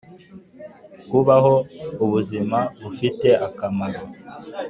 kubaho ubuzima bufite akamaro,